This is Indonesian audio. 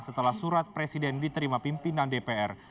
setelah surat presiden diterima pimpinan dpr